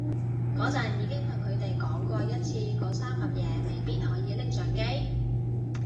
嗰陣已經同佢哋講過一次嗰三盒嘢未必可以拎上機